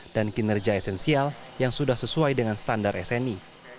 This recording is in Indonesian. dan kinerja esensial yang sudah sesuai dengan standar sni